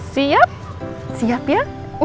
siap siap ya